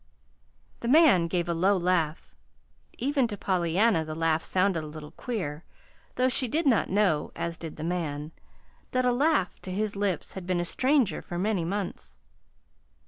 The man gave a low laugh. Even to Pollyanna the laugh sounded a little queer, though she did not know (as did the man) that a laugh to his lips had been a stranger for many months.